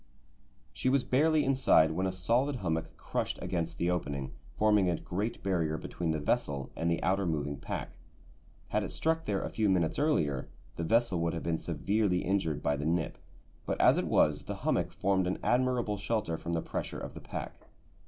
She was barely inside when a solid hummock crushed against the opening, forming a great barrier between the vessel and the outer moving pack. Had it struck there a few minutes earlier the vessel would have been severely injured by the "nip," but as it was the hummock formed an admirable shelter from the pressure of the pack.